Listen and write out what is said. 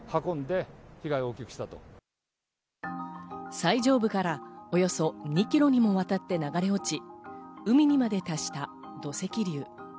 最上部からおよそ２ｋｍにもわたって流れ落ち、海にまで達した土石流。